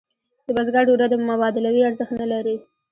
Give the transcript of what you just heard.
د بزګر ډوډۍ مبادلوي ارزښت نه لري.